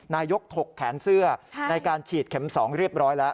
นายกถกแขนเสื้อในการฉีดเข็ม๒เรียบร้อยแล้ว